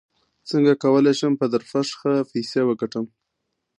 څنګه کولی شم په درپشخه پیسې وګټم